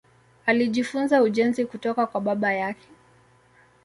Alijifunza ujenzi kutoka kwa baba yake.